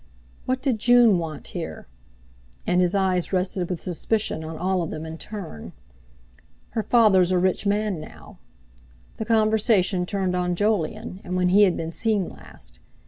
"What did June want here?" And his eyes rested with suspicion on all of them in turn. "Her father's a rich man now." The conversation turned on Jolyon, and when he had been seen last.